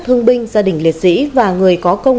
thương binh gia đình liệt sĩ và người có công